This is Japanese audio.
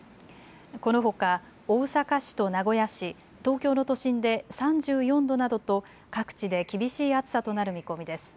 このほか大阪市と名古屋市、東京の都心で３４度などと各地で厳しい暑さとなる見込みです。